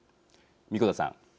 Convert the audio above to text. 神子田さん。